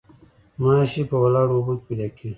ماشي په ولاړو اوبو کې پیدا کیږي